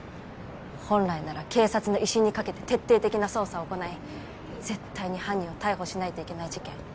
本来なら警察の威信にかけて徹底的な捜査を行い絶対に犯人を逮捕しないといけない事件。